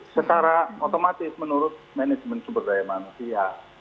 secara otomatis menurut manajemen sumber daya manusia